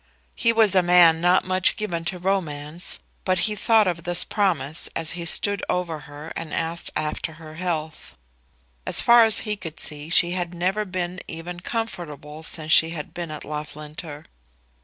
He was a man not much given to romance, but he thought of this promise as he stood over her and asked after her health. As far as he could see she had never been even comfortable since she had been at Loughlinter.